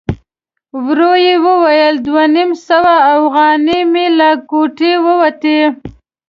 ورو يې وویل: دوه نيم سوه اوغانۍ مې له ګوتو ووتې!